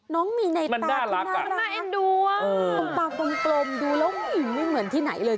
น้องมีในตาน่ารักมันได้ดูว่ะปลาปลมดูแล้วไม่เหมือนที่ไหนเลย